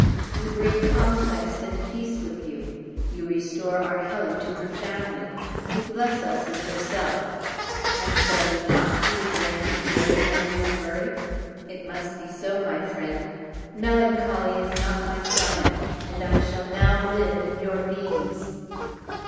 You bring conquest and peace with you, you restore our Helen to her family, you bless us with yourself! And shall you not see again the gay Andrew Murray? It must be so, my friend, melancholy is not my climate, and I shall now live in your beams."